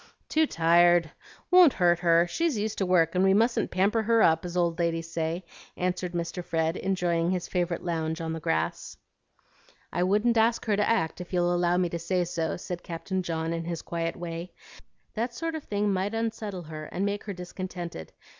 "Too tired. Won't hurt her; she's used to work, and we mustn't pamper her up, as old ladies say," answered Mr. Fred, enjoying his favorite lounge on the grass. "I wouldn't ask her to act, if you'll allow me to say so," said Captain John, in his quiet way. "That sort of thing might unsettle her and make her discontented.